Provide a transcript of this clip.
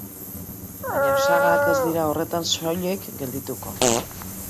Baina sagak ez dira horretan soilik geldituko.